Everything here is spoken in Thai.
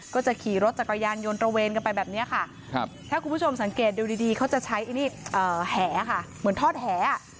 ก็จะขี่รถจักรยานยนต์ตระเวนกันไปแบบนี้ค่ะถ้าคุณผู้ชมสังเกตดูดีเขาจะใช้แหค่ะเหมือนทอดแห